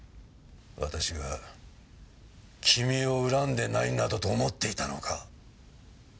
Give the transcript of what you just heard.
私が君を恨んでないなどと思っていたのか？